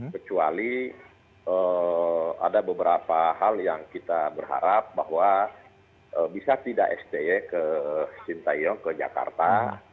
kecuali ada beberapa hal yang kita berharap bahwa bisa tidak sti ke sintayong ke jakarta